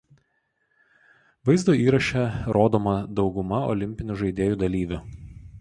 Vaizdo įraše rodoma dauguma Olimpinių žaidėjų dalyvių.